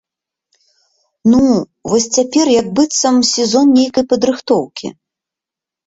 Ну, вось цяпер як быццам сезон нейкай падрыхтоўкі.